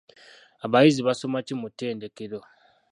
Abayizi basoma ki mu ttendekero?